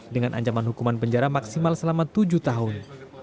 dengan ancaman hukuman penjara maksimal selama tujuh tahun